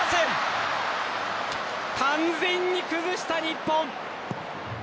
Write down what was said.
完全に崩した日本。